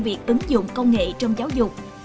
việc ứng dụng công nghệ trong giáo dục